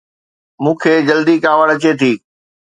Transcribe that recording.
مون کي جلدي ڪاوڙ اچي ٿي